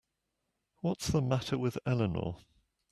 What's the matter with Eleanor?